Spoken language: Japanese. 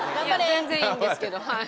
全然いいんですけどはい。